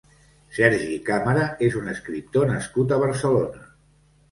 Sergi Càmara és un escriptor nascut a Barcelona.